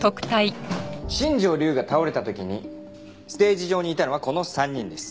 新庄リュウが倒れた時にステージ上にいたのはこの３人です。